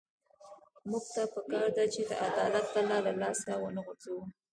موږ ته پکار ده چې د عدالت تله له لاسه ونه غورځوو.